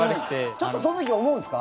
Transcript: ちょっとその時思うんですか？